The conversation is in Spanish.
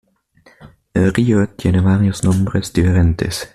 El río tiene varios nombres diferentes.